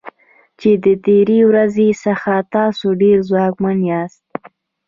چې د تیرې ورځې څخه تاسو ډیر ځواکمن یاست.